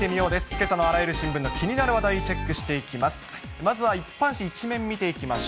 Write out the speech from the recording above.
けさのあらゆる新聞の気になる話題、チェックしていきます。